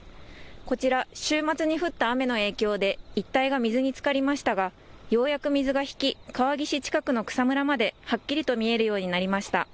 こちら週末に降った雨の影響で一帯が水につかりましたがようやく水が引き川岸近くの草むらまではっきりと見えるようになりました。